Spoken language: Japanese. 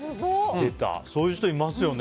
そういう人いますよね。